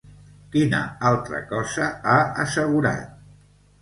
Quina altra cosa ha assegurat?